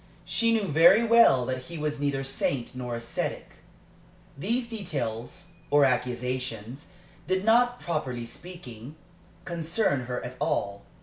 She knew very well that he was neither saint nor ascetic. These details or accusations did not, properly speaking, concern her at all.